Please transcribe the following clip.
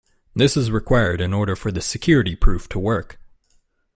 This is required in order for the security proof to work.